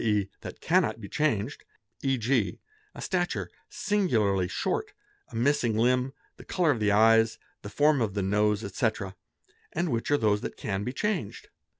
e., that cannot be changed, e.g., a stature singularly short, a missing limb, the colour of the eyes, the form of the nose, etc., and which are those that can be changed.